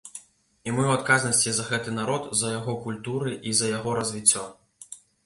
І мы ў адказнасці за гэты народ, за яго культуры і за яго развіццё.